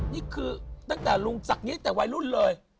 นี่คือตั้งแต่ลุงศักดิตั้งแต่วัยรุ่นเลย